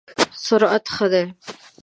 سرعت ښه دی؟